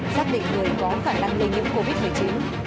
xác định người có khả năng lây nhiễm covid một mươi chín